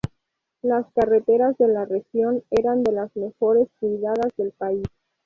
Las carreteras de la región eran de las mejor cuidadas del país.